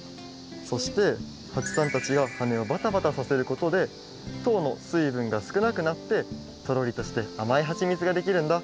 そしてはちさんたちが羽をバタバタさせることでとうの水分がすくなくなってとろりとしてあまいはちみつができるんだ。